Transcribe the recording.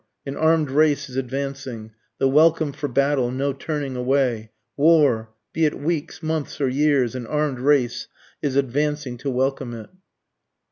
an arm'd race is advancing! the welcome for battle, no turning away; War! be it weeks, months, or years, an arm'd race is advancing to welcome it.